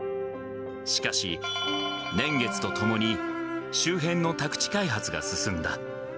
しかし、年月とともに周辺の宅地開発が進んだ。